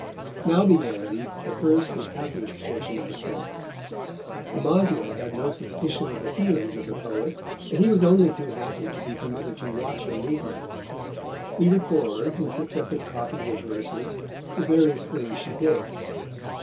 Now began the first and happiest portion of the story. Amasia had no suspicion of the feelings of the poet, and he was only too happy to be permitted to watch her movements. He records, in successive copies of verses, the various things she did.